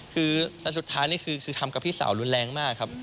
คือแต่สุดท้ายนี่คือทำกับพี่สาวรุนแรงมากครับ